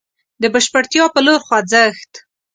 د بشپړتيا په لور خوځښت.